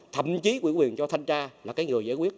thậm chí quỹ quyền cho thanh tra là cái người giải quyết